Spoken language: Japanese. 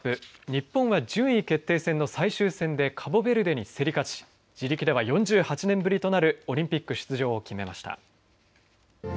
日本は順位決定戦の最終戦でカボベルデに競り勝ち自力では４８年ぶりとなるオリンピック出場を決めました。